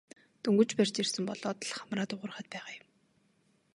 Дөнгөж барьж ирсэн болоод л хамраа дуугаргаад байгаа юм.